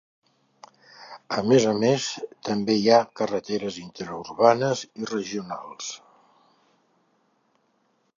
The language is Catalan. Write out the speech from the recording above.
A més a més, també hi ha carreteres interurbanes i regionals.